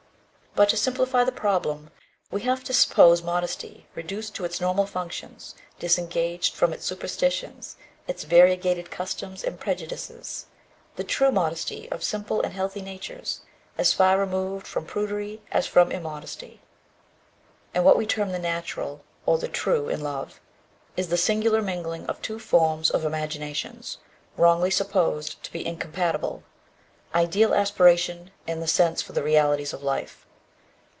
But to simplify the problem, we have to suppose modesty reduced to its normal functions, disengaged from its superstitions, its variegated customs and prejudices, the true modesty of simple and healthy natures, as far removed from prudery as from immodesty. And what we term the natural, or the true in love, is the singular mingling of two forms of imaginations, wrongly supposed to be incompatible: ideal aspiration and the sense for the realities of life.